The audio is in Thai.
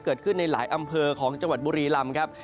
เกิดขึ้นในหลายอำเภอของจังหวัดบุรีลำครับ